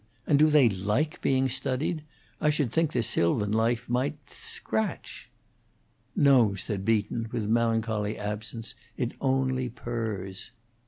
And do they like being studied? I should think the sylvan life might scratch." "No," said Beaton, with melancholy absence, "it only purrs."